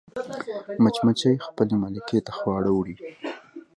مچمچۍ خپل ملکې ته خواړه وړي